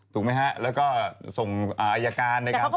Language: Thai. ถูกไหมครับแล้วก็ส่งอายการในการปล่อง